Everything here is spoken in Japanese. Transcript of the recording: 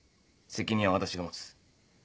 責任は私が持つ。